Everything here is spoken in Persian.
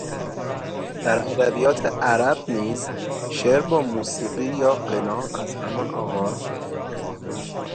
در ادبیات عرب نیز شعر با موسیقی یا غنا از همان آغاز